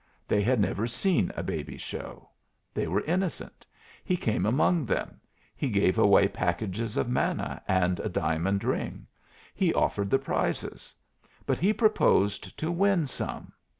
They had never seen a baby show. They were innocent. He came among them. He gave away packages of manna and a diamond ring. He offered the prizes. But he proposed to win some.